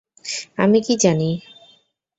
আমি কি জানি?